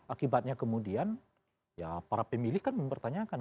akibatnya kemudian ya para pemilih kan mempertanyakan